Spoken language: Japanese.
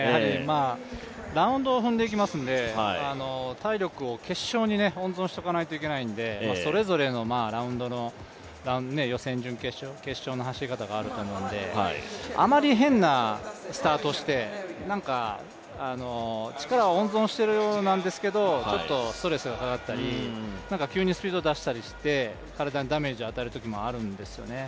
ラウンドを踏んでいきますので体力を決勝に温存しておかないといけないんでそれぞれのラウンドの予選、準決勝決勝の走り方があると思うんであまり変なスタ−トをして、力を温存しているんですけど、ちょっとストレスがかかったり急にスピードを出したりして体にダメージを与えるときもあるんですよね。